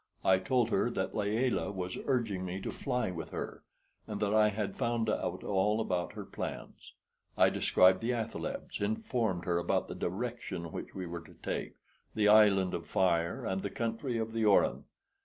I told her that Layelah was urging me to fly with her, and that I had found out all about her plans. I described the athalebs, informed her about the direction which we were to take, the island of fire, and the country of the Orin.